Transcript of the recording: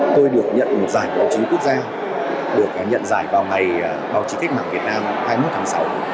tôi được nhận một giải báo chí quốc gia được nhận giải vào ngày báo chí cách mạng việt nam hai mươi một tháng sáu